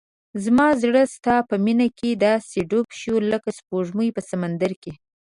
زما زړه ستا په مینه کې داسې ډوب شوی لکه سپوږمۍ په سمندر کې.